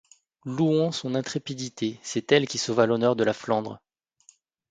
Louons son intrépidité, c'est elle qui sauva l'honneur de la Flandre.